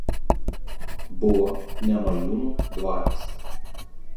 Buvo Nemajūnų dvaras.